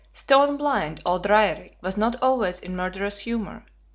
Stone blind old Raerik was not always in murderous humor.